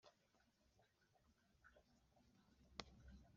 hanyuma nugerayo urahamusanga